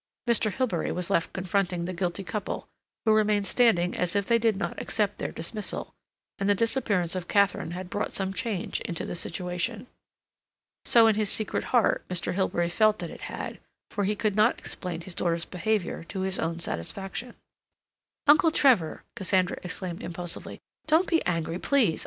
Mr. Hilbery was left confronting the guilty couple, who remained standing as if they did not accept their dismissal, and the disappearance of Katharine had brought some change into the situation. So, in his secret heart, Mr. Hilbery felt that it had, for he could not explain his daughter's behavior to his own satisfaction. "Uncle Trevor," Cassandra exclaimed impulsively, "don't be angry, please.